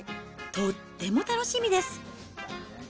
とっても楽しみです。